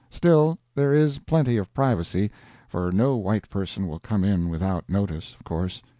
Still, there is plenty of privacy, for no white person will come in without notice, of course.